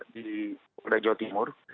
di polda jawa timur